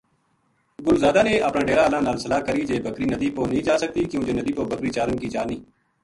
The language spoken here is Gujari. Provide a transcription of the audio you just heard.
گل زادا نے اپنا ڈیرا ہالاں نال صلاح کری جے بکری ندی پو نیہہ جا سکتی کیوں جے ندی پو بکری چارن کی جا نیہہ